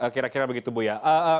kira kira begitu buya